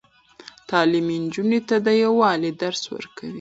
تعلیم نجونو ته د یووالي درس ورکوي.